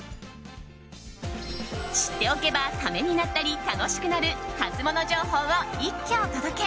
知っておけばためになったり楽しくなるハツモノ情報を一挙お届け。